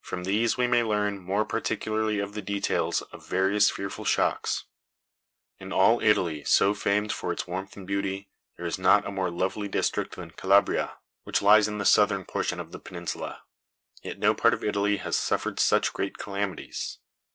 From these we may learn more particularly of the details of various fearful shocks. In all Italy, so famed for its warmth and beauty, there is not a more lovely district than Calabria, which lies in the Southern portion of the peninsula. Yet no part of Italy has suffered such great calamities.